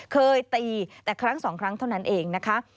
เคยตีแต่ครั้งสองครั้งเท่านั้นเองนะคะ